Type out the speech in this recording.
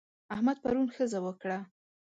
احمد پرون ښځه وکړه.